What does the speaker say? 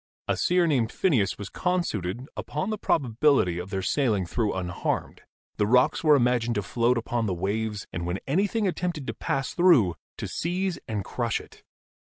A seer named Phineas was con i8 GEOLOGY suited upon the probability of their sailing through un harmed. The rocks were imagined to float upon the waves, and, when anything attempted to pass through, to seize and crush it.